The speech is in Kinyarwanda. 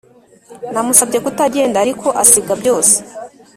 namusabye kutagenda, ariko asiga byose.